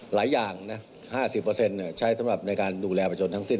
หลายอย่างนะ๕๐ใช้สำหรับในการดูแลประชนทั้งสิ้น